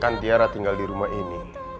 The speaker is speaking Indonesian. kan tiara tinggal di rumah ini